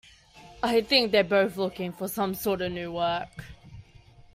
I think they're both looking for some sort of new work.